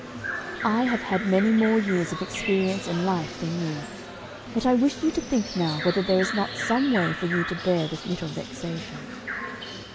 "I have had many more years of experience in life than you. But I wish you to think now whether there is not some way for you to bear this little vexation."